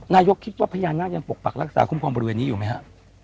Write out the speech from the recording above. นายกคิดว่าพญานาคยังปกปักรักษาคุ้มครองบริเวณนี้อยู่ไหมฮะ